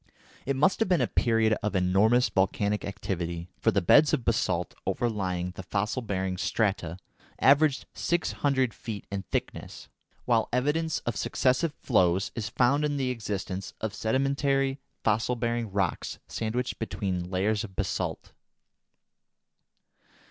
It must have been a period of enormous volcanic activity, for the beds of basalt overlying the fossil bearing strata averaged six hundred feet in thickness, while evidence of successive flows is found in the existence of sedimentary fossil bearing rocks sandwiched between layers of basalt.